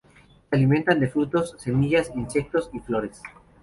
Se alimentan de frutos, semillas, insectos y flores.